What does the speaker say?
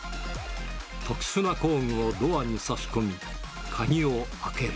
特殊な工具をドアに差し込み、鍵を開ける。